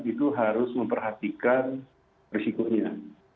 itu harus memperhatikan risikonya